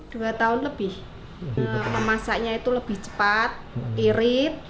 dua tahun lebih memasaknya itu lebih cepat irit